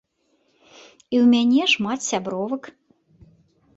І ў мяне шмат сябровак.